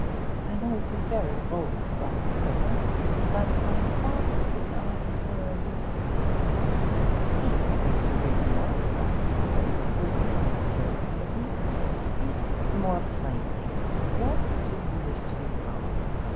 I know it's a very bold thought, sir, but if I could ' 'Speak, Mr. Wigmore,' cried Topham, quivering with curiosity, 'speak more plainly. What do you wish to become?